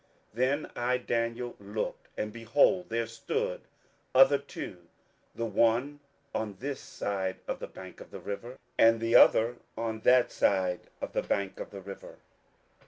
27:012:005 Then I Daniel looked, and, behold, there stood other two, the one on this side of the bank of the river, and the other on that side of the bank of the river.